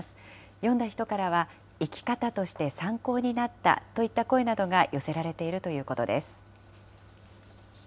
読んだ人からは、生き方として参考になったといった声などが寄せられているということです。